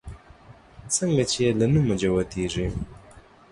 څنگه چې يې له نومه جوتېږي